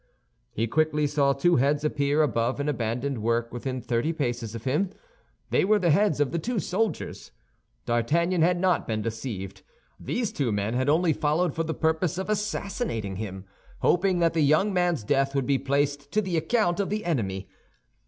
He quickly saw two heads appear above an abandoned work within thirty paces of him; they were the heads of the two soldiers. D'Artagnan had not been deceived; these two men had only followed for the purpose of assassinating him, hoping that the young man's death would be placed to the account of the enemy.